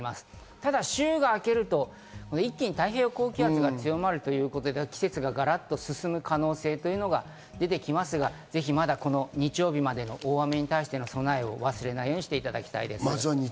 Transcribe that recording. ただ週が明けると一気に太平洋高気圧が強まるということで、季節がガラッと進む可能性が出てきますが、ぜひ、まだ日曜日までの大雨に対しての備えを忘れないようにしていただきたいです。